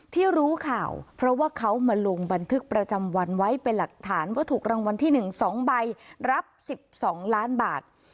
ที่รู้ข่าวเพราะว่าเขามาลงบันทึกประจำวันไว้เป็นหลักฐานว่าถูกรางวัลที่๑๒ใบรับ๑๒ล้านบาท